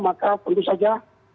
maka tentu saja